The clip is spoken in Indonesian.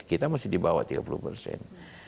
kita masih di bawah tiga puluh persen